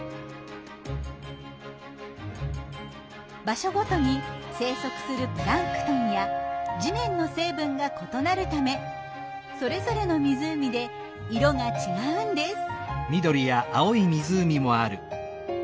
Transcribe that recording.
場所ごとに生息するプランクトンや地面の成分が異なるためそれぞれの湖で色が違うんです。